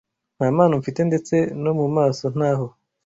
Nta mpano mfite ndetse no mu maso ntaho